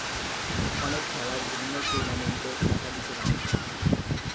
অনেক খেলার বিভিন্ন টুর্নামেন্টে একাধিক রাউন্ড থাকে।